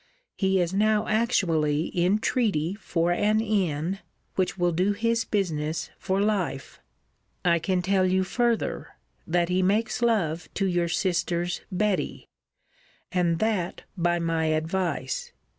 He is now actually in treaty for an inn, which will do his business for life. I can tell you further, that he makes love to your sister's Betty: and that by my advice.